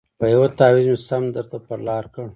په یوه تعویذ مي سم درته پر لار کړ